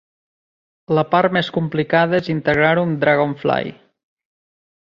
La part més complicada és integrar-ho amb Dragonfly.